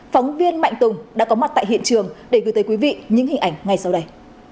phóng viên mạnh tùng đã có mặt tại hiện trường để gửi tới quý vị những hình ảnh ngay sau đây